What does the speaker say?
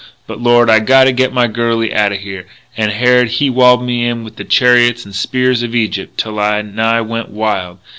But, Lord, I gotta get my girlie outa here; and Harrod he walled me in with the chariots and spears of Egypt, till I nigh went wild....